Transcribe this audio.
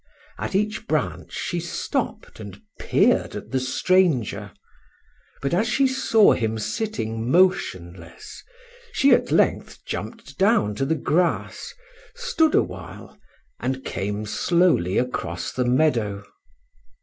At each branch she stopped and peered at the stranger; but as she saw him sitting motionless, she at length jumped down to the grass, stood a while, and came slowly across the meadow.